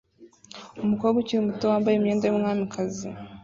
Umukobwa ukiri muto wambaye imyenda yumwamikazi